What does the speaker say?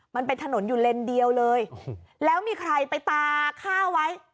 มันเป็นถนนอยู่เลนเดียวเลยแล้วมีใครไปตาข้าวไว้